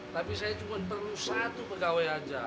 tapi saya cuma perlu satu pegawai aja